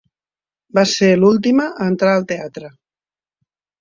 Vas ser l'última a entrar al teatre.